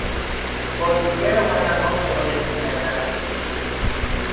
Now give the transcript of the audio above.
با دیگر هنرها مقایسه کرده است